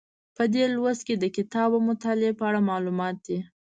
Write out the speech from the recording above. په دې لوست کې د کتاب او مطالعې په اړه معلومات دي.